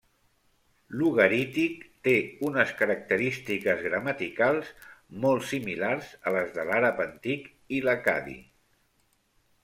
L'ugarític té unes característiques gramaticals molt similars a les de l'àrab antic i l'accadi.